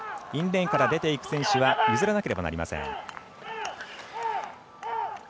インレーンから出ていく選手は譲らなければなりません。